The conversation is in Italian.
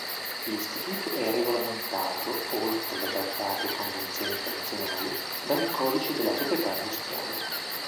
L'istituto è regolamentato, oltre da trattati e convenzioni internazionali, dal codice della proprietà industriale.